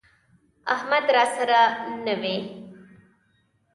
احمد راسره نه وي،